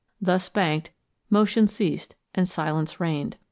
Thus banked, motion ceased, and silence reigned.